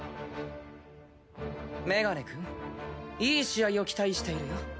メガネくんいい試合を期待しているよ。